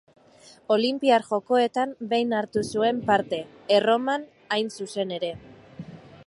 Olinpiar Jokoetan behin hartu zuen parte: Erroman hain zuzen ere.